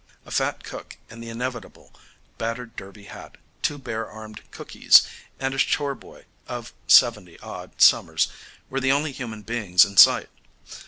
A fat cook in the inevitable battered derby hat, two bare armed cookees, and a chore "boy" of seventy odd summers were the only human beings in sight.